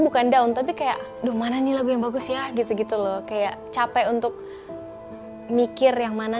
bukan down tapi kayak aduh mana nih lagu yang bagus ya gitu gitu loh kayak capek untuk mikir yang mana